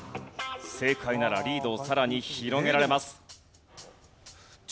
正解ならリードをさらに広げられます。